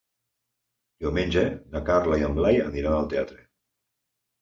Diumenge na Carla i en Blai aniran al teatre.